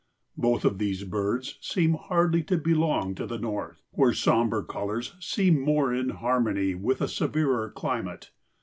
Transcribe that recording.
Both of these birds seem hardly to belong to the North, where somber colors seem more in harmony with a severer climate.